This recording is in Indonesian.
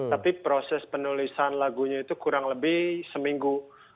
tapi proses penulisan lagunya itu kurang lebih seminggu